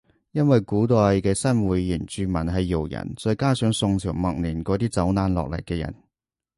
因為古代嘅新會原住民係瑤人再加上宋朝末年嗰啲走難落嚟嘅人